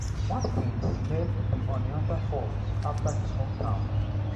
Watkins named the Oneonta Falls after his hometown.